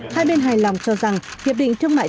hai bên hài lòng cho rằng hiệp định thương mại